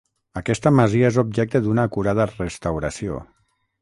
Aquesta masia és objecte d'una acurada restauració.